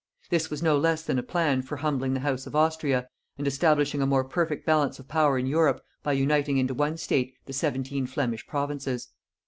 This was no less than a plan for humbling the house of Austria, and establishing a more perfect balance of power in Europe by uniting into one state the seventeen Flemish provinces.